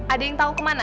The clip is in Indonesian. ada yang tahu kemana